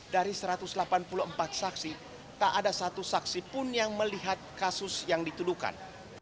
dari satu ratus delapan puluh empat saksi tak ada satu saksi pun yang melihat kasus yang dituduhkan